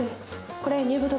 これ入部届。